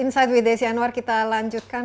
insafi desi anwar kita lanjutkan